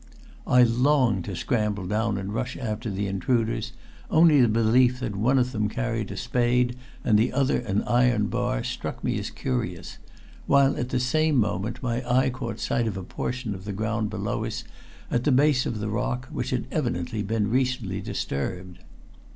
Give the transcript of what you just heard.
I longed to scramble down and rush after the intruders, only the belief that one of them carried a spade and the other an iron bar struck me as curious, while at the same moment my eye caught sight of a portion of the ground below us at the base of the rock which had evidently been recently disturbed.